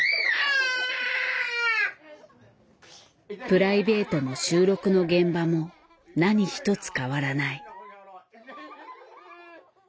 プライベートも収録の現場も何一つ変わらない。